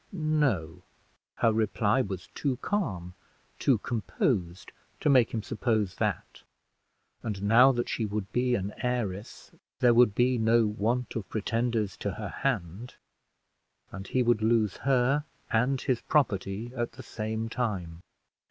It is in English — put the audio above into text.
No; her reply was too calm, too composed to make him suppose that; and now that she would be an heiress, there would be no want of pretenders to her hand; and he would lose her and his property at the same time.